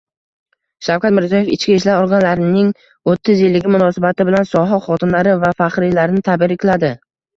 Shavkat Mirziyoyev ichki ishlar organlariningo´ttizyilligi munosabati bilan soha xodimlari va faxriylarini tabrikladi